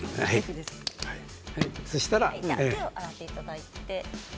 手を洗っていただいて。